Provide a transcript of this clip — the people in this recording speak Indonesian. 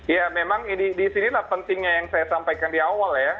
ya memang disinilah pentingnya yang saya sampaikan di awal ya